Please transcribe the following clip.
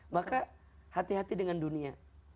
maka hati hati dengan dunia